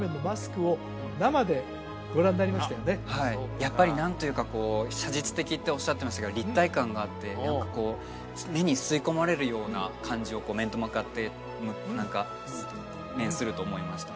やっぱり何というかこう写実的っておっしゃってましたけど立体感があって何かこう目に吸い込まれるような感じをこう面と向かって面すると思いました